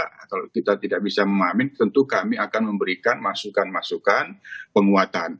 kalau kita tidak bisa memahamin tentu kami akan memberikan masukan masukan penguatan